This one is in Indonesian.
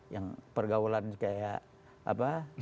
yang pergaulan seperti apa